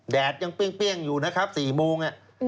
แดดยังเปรี้ยงอยู่นะครับ๔โมง